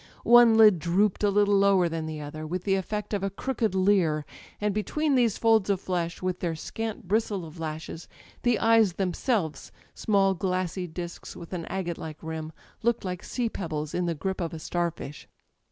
One lid drooped a little lower than the other, with the effect of a crooked leer; and between these folds of flesh, with their scant bristle of lashes, the eyes themselves, small glassy disks with an agate like rim, looked like sea pebbles in the grip of a star fish.